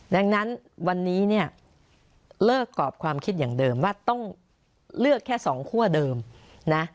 ดังนั้นวันนี้เนี่ยเลิกกรอบความคิดอย่างเดิมว่าต้องเลือกแค่สองคั่วเดิมนะ